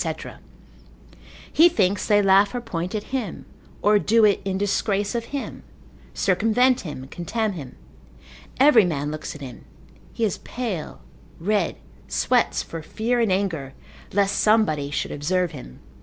He thinks they laugh or point at him, or do it in disgrace of him, circumvent him, contemn him; every man looks at him, he is pale, red, sweats for fear and anger, lest somebody should observe him.